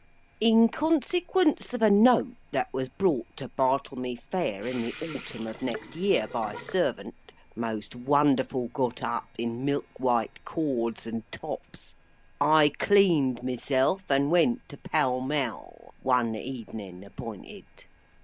In consequence of a note that was brought to Bartlemy Fair in the autumn of next year by a servant, most wonderful got up in milk white cords and tops, I cleaned myself and went to Pall Mall, one evening appinted.